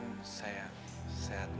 dan saya sehat bu